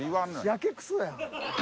やけくそやん。